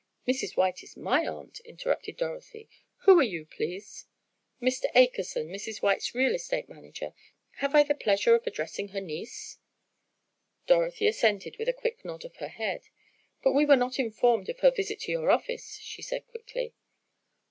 "Mrs. White is my aunt," interrupted Dorothy. "Who are you please?" "Mr. Akerson, Mrs. White's real estate manager. Have I the pleasure of addressing her niece?" Dorothy assented with a quick nod of her head. "But we were not informed of her visit to your office," she said quickly.